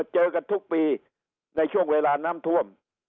เจอกันทุกปีในช่วงเวลาน้ำท่วม